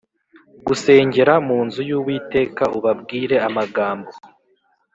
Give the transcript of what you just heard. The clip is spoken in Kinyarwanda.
Gusengera mu nzu y uwiteka ubabwire amagambo